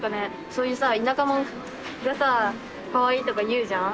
そういうさぁ田舎もんがさぁかわいいとか言うじゃん？